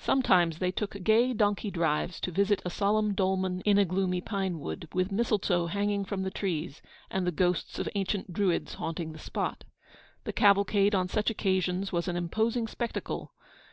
Sometimes they took gay donkey drives to visit a solemn dolmen in a gloomy pine wood, with mistletoe hanging from the trees, and the ghosts of ancient Druids haunting the spot. The cavalcade on such occasions was an imposing spectacle.